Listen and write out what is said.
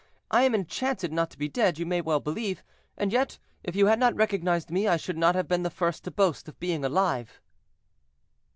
I am enchanted not to be dead, you may well believe; and yet, if you had not recognized me, I should not have been the first to boast of being alive."